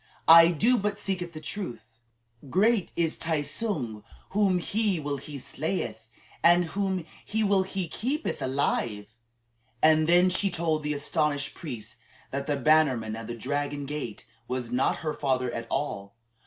"I do but speak the truth. Great is Tai tsung. Whom he will he slayeth, and whom he will he keepeth alive." And then she told the astonished priest that the bannerman of the Dragon Gate was not her father at all.